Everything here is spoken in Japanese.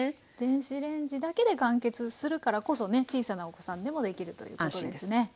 電子レンジだけで完結するからこそね小さなお子さんでもできるということですね。